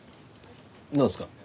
なんすか？